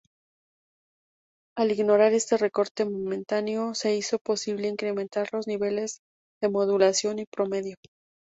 Al ignorar este recorte momentáneo, se hizo posible incrementar los niveles de modulación promedio.